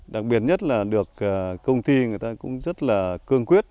đặc biệt nhất là được công ty người ta cũng rất là cương quyết